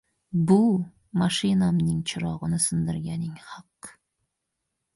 — Bu — mashinamning chirog‘ini sindirganing haqqi!